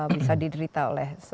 bisa diderita oleh